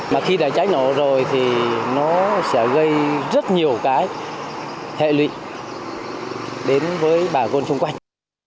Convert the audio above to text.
mà khi trái nổ rồi thì nó sẽ gây rất nhiều hệ lụy đến với bà gôn chung quanh